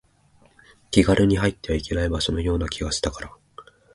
気軽に入ってはいけない場所のような気がしたから